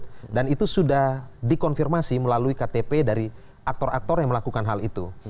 asal dari tempat tersebut dan itu sudah dikonfirmasi melalui ktp dari aktor aktor yang melakukan hal itu